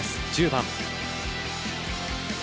１０番。